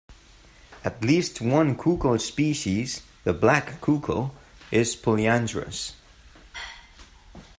At least one coucal species, the black coucal, is polyandrous.